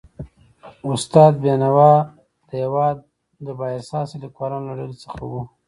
استاد بینوا د هيواد د با احساسه لیکوالانو له ډلې څخه و.